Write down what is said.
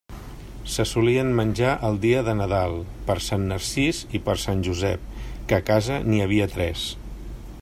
Se solien menjar el dia de Nadal, per Sant Narcís i per Sant Josep, que a casa n'hi havia tres.